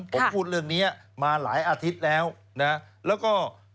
ผมพูดเรื่องนี้มาหลายอาทิตย์แล้วนะแล้วก็